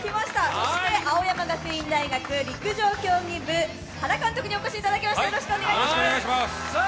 そして青山学院大学陸上競技部、原監督にお越しいただきました、よろしくお願いします。